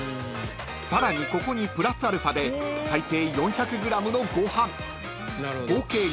［さらにここにプラスアルファで最低４００ｇのご飯］